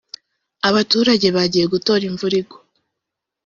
abaturage bagiye gutoraimvura igwa